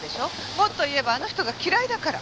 もっと言えばあの人が嫌いだから。